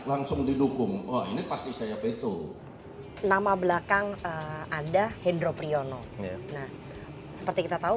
langsung didukung wah ini pasti saya betul nama belakang anda hendra priyono seperti kita tahu